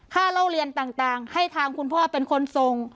เล่าเรียนต่างให้ทางคุณพ่อเป็นคนส่ง